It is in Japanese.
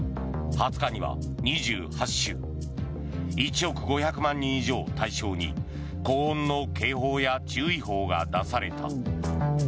２０日には２８州１億５００万人以上を対象に高温の警報や注意報が出された。